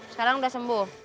sekarang udah sembuh